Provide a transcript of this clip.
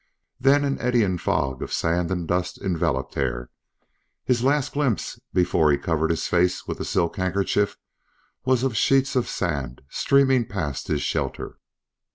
Then an eddying fog of sand and dust enveloped Hare. His last glimpse before he covered his face with a silk handkerchief was of sheets of sand streaming past his shelter.